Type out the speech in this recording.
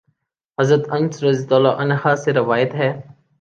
حضرت انس رضی اللہ عنہ سے روایت ہے